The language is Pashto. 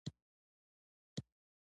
وادي د افغانستان د اجتماعي جوړښت برخه ده.